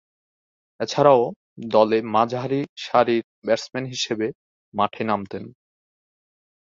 এছাড়াও দলে মাঝারি সারির ব্যাটসম্যান হিসেবে মাঠে নামতেন।